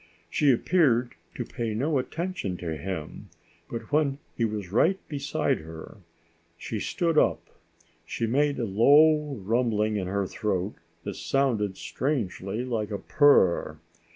She appeared to pay no attention to him, but when he was right beside her, she stood up. She made a low rumbling in her throat that sounded strangely like a purr.